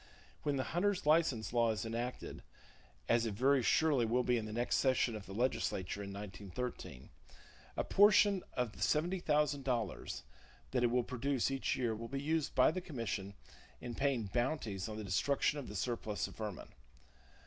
When the hunter's license law is enacted, as it very surely will be at the next session of the legislature (1913), a portion of the $70,000 that it will produce each year will be used by the commission in paying bounties on the destruction of the surplus of vermin.